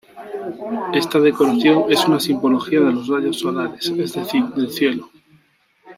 Esta decoración es una simbología de los rayos solares, es decir, del cielo.